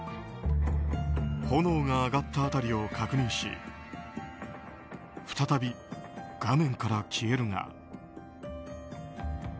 炎が上がった辺りを確認し再び画面から消えるが。